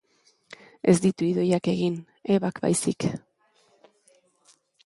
Ez ditu Idoiak egin, Ebak baizik.